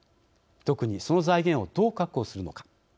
特に、その財源をどう確保するのか。